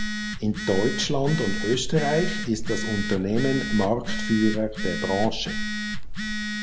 In Deutschland und Österreich ist das Unternehmen Marktführer der Branche.